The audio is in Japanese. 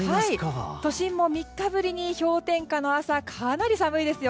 都心も３日ぶりに氷点下の朝かなり寒いですよ